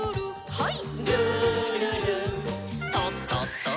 はい。